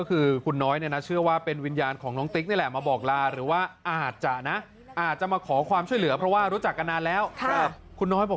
อืมก็แปลกดี